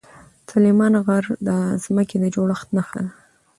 سلیمان غر د ځمکې د جوړښت نښه ده.